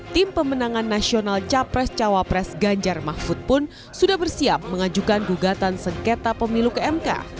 tim pemenangan nasional capres cawapres ganjar mahfud pun sudah bersiap mengajukan gugatan sengketa pemilu ke mk